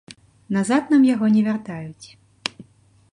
Назад нам яго не вяртаюць.